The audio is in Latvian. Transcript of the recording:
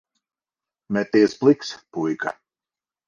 Meties pliks, puika.